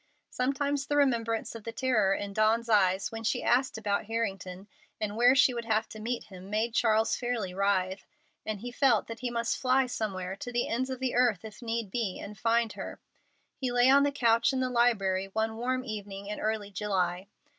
Sometimes the remembrance of the terror in Dawn's eyes when she asked about Harrington and where she would have to meet him, made Charles fairly writhe, and he felt that he must fly somewhere, to the ends of the earth if need be, and find her. He lay on the couch in the library one warm evening in early July.